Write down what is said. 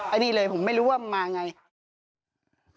ไอ้ดีเลยผมไม่รู้ว่ามันมาอย่างไร